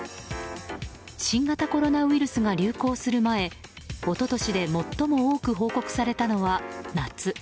新型コロナウイルスが流行する前一昨年で最も多く報告されたのは夏。